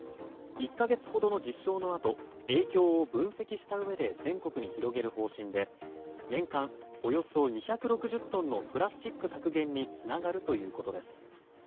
１か月ほどの実証のあと影響を分析したうえで全国に広げる方針で年間およそ２６０トンのプラスチック削減につながるということです。